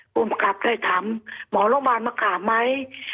ภูมิกับได้ถามหมอโรงพยาบาลมากราบไหม